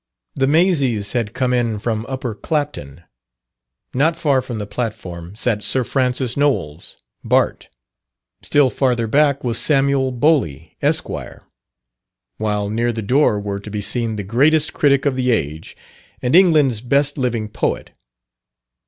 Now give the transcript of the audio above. The Massies had come in from Upper Clapton. Not far from the platform sat Sir Francis Knowles, Bart., still farther back was Samuel Bowly, Esq., while near the door were to be seen the greatest critic of the age, and England's best living poet.